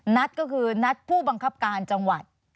นัดก็คือนัดผู้บังคับการจังหวัด